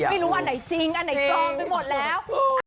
ไม่รู้อันไหนจริงอันไหนปลอมไปหมดแล้ว